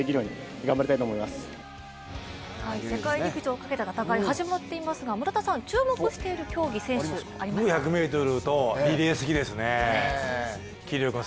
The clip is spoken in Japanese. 世界陸上をかけた戦い、始まっていますが村田さん、注目している競技選手ありますか？